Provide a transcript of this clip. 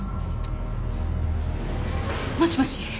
もしもし。